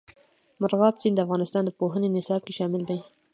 مورغاب سیند د افغانستان د پوهنې نصاب کې شامل دی.